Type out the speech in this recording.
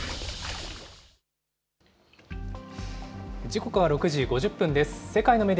時刻は６時５０分です。